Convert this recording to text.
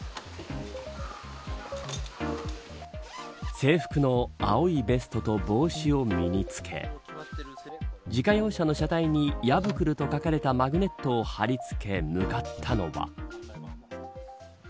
制服の青いベストと帽子を身に着け自家用車の車体にやぶくると書かれたマグネットを貼り付け向かったのは。